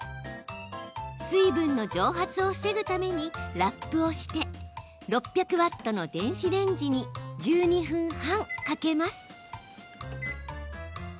水分の蒸発を防ぐためにラップをして６００ワットの電子レンジに１２分半かけます。